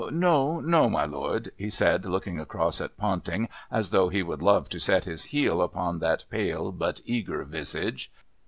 "No, no, my lord," he said, looking across at Ponting, as though he would love to set his heel upon that pale but eager visage.